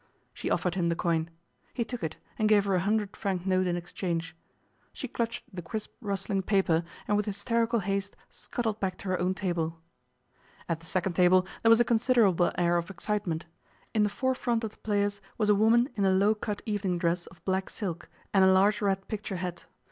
She offered him the coin. He took it, and gave her a hundred franc note in exchange. She clutched the crisp rustling paper, and with hysterical haste scuttled back to her own table. At the second table there was a considerable air of excitement. In the forefront of the players was a woman in a low cut evening dress of black silk and a large red picture hat.